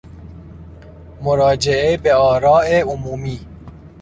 مراجمه بآراء عمومی